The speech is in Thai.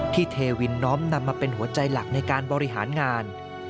เทวินน้อมนำมาเป็นหัวใจหลักในการบริหารงาน